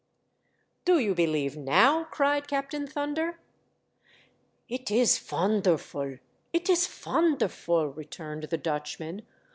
"Do you believe now!" cried Captain Thunder. "It is fonderful! it is fonderful!" returned the Dutchman.